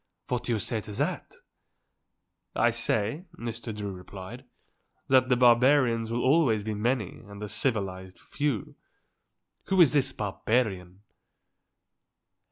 What do you say to that?" "I say," Mr. Drew replied, "that the barbarians will always be many and the civilized few. Who is this barbarian?"